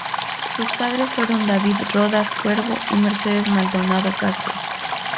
Sus padres fueron David Rodas Cuervo y Mercedes Maldonado Castro.